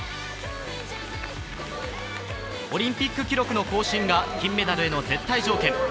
オリンピック記録の更新が金メダルへの絶対条件。